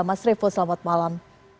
mas revo selamat malam